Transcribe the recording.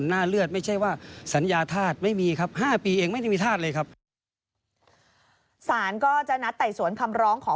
ในวันที่๑๑มีนาคม๒๐๒๐